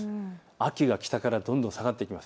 秋が北からどんどん下がってきます。